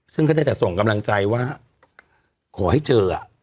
ซึ่งก็ได้แต่ส่งกำลังใจว่าขอให้เจอ